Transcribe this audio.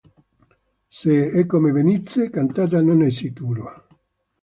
Se e come venisse cantata non è sicuro.